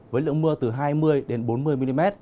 với lượng mưa từ hai mươi bốn mươi mm